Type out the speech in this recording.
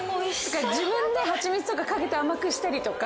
自分ではちみつとかかけて甘くしたりとか。